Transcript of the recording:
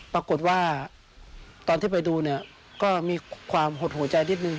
ปรากฏว่าตอนที่ไปดูเนี่ยก็มีความหดหัวใจนิดนึ